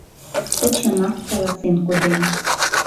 — Кочамак каласен коден.